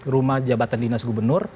rumah jabatan dinas gubernur